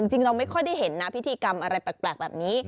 จริงเราไม่ค่อยได้เห็นนะพิธีกรรมอะไรแปลกแบบนี้